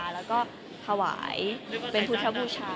แล้วก็ถวายเป็นพุทธบูชา